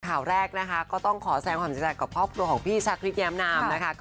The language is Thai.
ข่าวแรกก็ต้องขอแสนความใจใจกับครอบครัวของพี่ชักฤทธิ์แย้มนาม